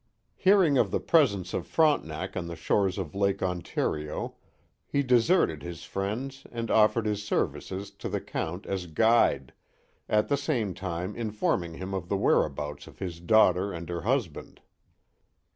Hearing of the presence of Frontenac on the shores of Lake Ontario he deserted his friends and offered his services to the count as guide, at the same time informing him of the where* abouts of his daughter and her husband.